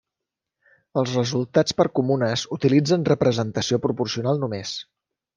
Els resultats per comunes utilitzen representació proporcional només.